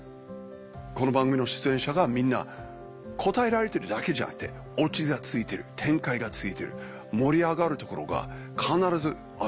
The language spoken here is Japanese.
この番組の出演者がみんな答えられてるだけじゃなくてオチがついてる展開がついてる盛り上がるところが必ずある。